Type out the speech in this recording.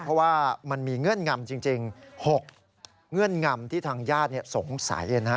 เพราะว่ามันมีเงื่อนงำจริง๖เงื่อนงำที่ทางญาติสงสัยนะฮะ